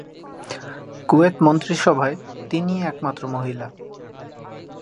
কুয়েতে মন্ত্রীসভায় তিনিই একমাত্র মহিলা।